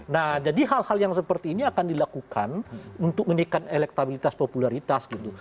nah jadi hal hal yang seperti ini akan dilakukan untuk meningkatkan elektabilitas popularitas gitu